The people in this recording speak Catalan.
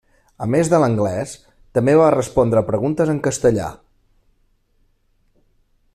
A més de l'anglès, també va respondre a preguntes en castellà.